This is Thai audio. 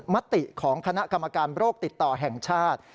มติของคณะกรรมการโรคติดต่อแห่งชาติ